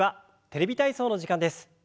「テレビ体操」の時間です。